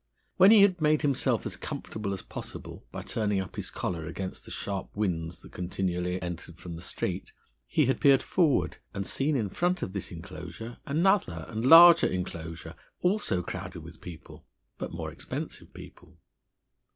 When he had made himself as comfortable as possible by turning up his collar against the sharp winds that continually entered from the street, he had peered forward, and seen in front of this enclosure another and larger enclosure also crowded with people, but more expensive people.